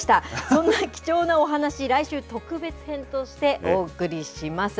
そんな貴重なお話、来週、特別編としてお送りします。